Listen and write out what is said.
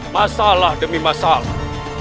masalah demi masalah